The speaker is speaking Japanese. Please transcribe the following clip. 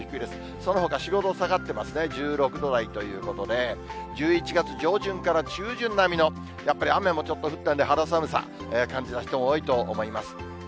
そのほか４、５度下がってますね、１６度台ということで、１１月上旬から中旬並みの、やっぱり雨もちょっと降ったんで肌寒さ、感じた人も多いと思います。